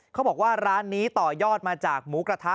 เขาบอกว่าร้านนี้ต่อยอดมาจากหมูกระทะ